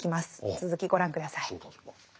続きご覧下さい。